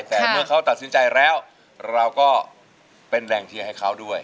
แต่เมื่อเขาตัดสินใจแล้วเราก็เป็นแรงเชียร์ให้เขาด้วย